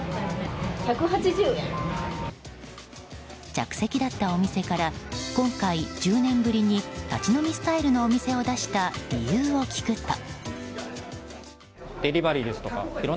着席だったお店から今回１０年ぶりに立ち飲みスタイルのお店を出した理由を聞くと。